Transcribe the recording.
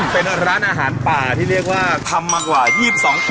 เป็นร้านอาหารป่าที่เรียกว่าทำมากว่า๒๒ปี